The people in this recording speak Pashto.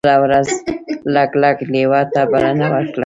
بله ورځ لګلګ لیوه ته بلنه ورکړه.